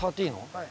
はい。